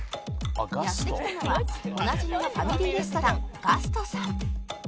やって来たのはおなじみのファミリーレストランガストさん